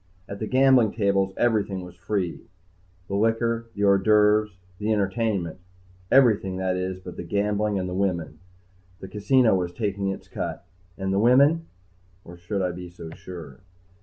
At the gambling tables everything was free the liquor, the hors d'oeuvres, the entertainment. Everything, that is, but the gambling and the women. The casino was taking its cut. And the women or should I be so sure?